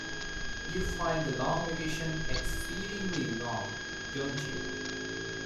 You find the long vacation exceedingly long, don't you?